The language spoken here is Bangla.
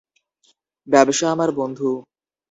ব্যবসা আমার বন্ধু।